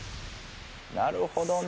なるほどね。